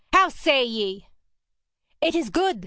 How say ye?' 'It is good!'